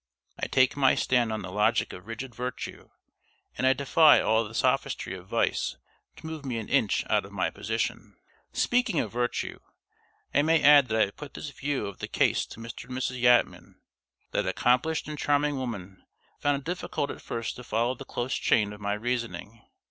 I take my stand on the logic of rigid Virtue, and I defy all the sophistry of Vice to move me an inch out of my position. Speaking of virtue, I may add that I have put this view of the case to Mr. and Mrs. Yatman. That accomplished and charming woman found it difficult at first to follow the close chain of my reasoning.